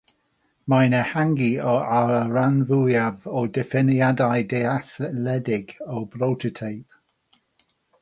Mae'n ehangu ar y rhan fwyaf o ddiffiniadau dealledig o brototeip.